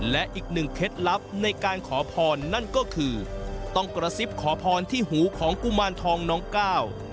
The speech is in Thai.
และอีกหนึ่งเคล็ดลับในการขอพรนั่นก็คือต้องกระซิบขอพรที่หูของกุมารทองน้องก้าว